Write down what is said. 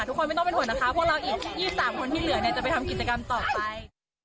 ทุกคนไม่ต้องเป็นห่วงนะคะพวกเราอีก๒๓คนที่เหลือเนี่ยจะไปทำกิจกรรมต่อไป